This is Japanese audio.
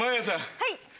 はい。